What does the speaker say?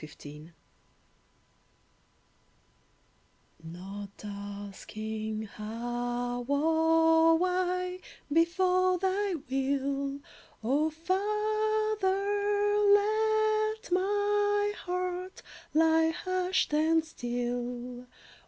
CONTENT Not asking how or why, Before thy will, O Father, let my heart Lie hushed and still